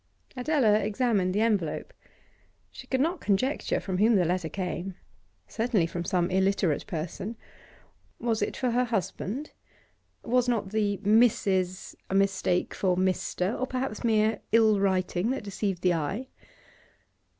Adela examined the envelope. She could not conjecture from whom the letter came; certainly from some illiterate person. Was it for her husband? Was not the 'Mrs.' a mistake for 'Mr.' or perhaps mere ill writing that deceived the eye?